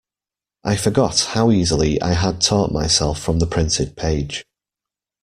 I forgot how easily I had taught myself from the printed page.